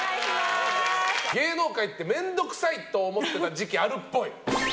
芸能界って面倒くさい！と思ってた時期あるっぽい。